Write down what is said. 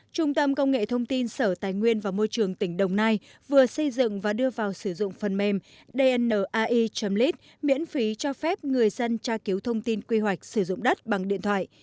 trung tâm công nghệ thông tin sở tài nguyên và môi trường tỉnh đồng nai vừa xây dựng và đưa vào sử dụng phần mềm dnae miễn phí cho phép người dân tra cứu thông tin quy hoạch sử dụng đất bằng điện thoại